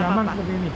lebih aman seperti ini